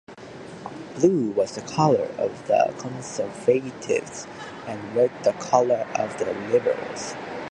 Blue was the color of the Conservatives, and red the color of the Liberals.